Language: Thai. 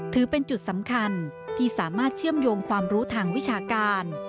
ถือเป็นจุดสำคัญที่สามารถเชื่อมโยงความรู้ทางวิชาการ